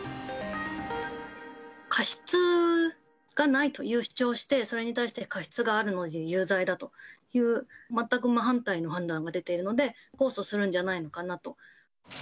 過失がないという主張をして、それに対して過失があるので有罪だという全く真反対の判断が出ているので、控訴するんじゃないのかなと。